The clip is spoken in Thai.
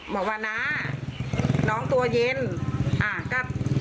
เอาว่าเนอะ